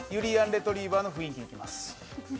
レトリィバァの雰囲気いきます